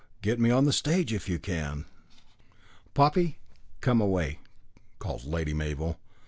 get me on to the stage if you can." "Poppy, come away," called Lady Mabel.